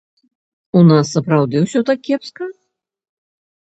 У нас сапраўды ўсё так кепска?